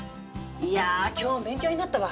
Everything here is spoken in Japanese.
いや今日も勉強になったわ。